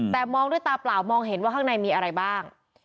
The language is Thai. แต่มองด้วยตาเปล่ามองเห็นว่าข้างในมีอะไรบ้าง